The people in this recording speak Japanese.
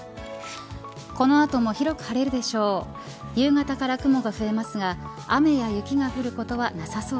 この後も広く晴れるでしょう。